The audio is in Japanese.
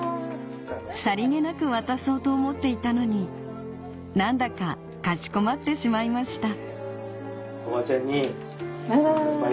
さりげなく渡そうと思っていたのに何だかかしこまってしまいましたあら。